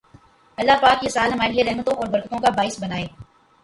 الله پاک یہ سال ہمارے لیئے رحمتوں اور برکتوں کا باعث بنائے